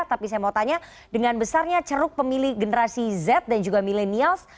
tapi saya mau tanya dengan besarnya ceruk pemilih generasi z dan juga millennials